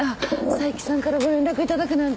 佐伯さんからご連絡頂くなんて。